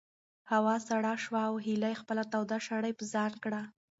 هوا سړه شوه او هیلې خپله توده شړۍ په ځان کړه.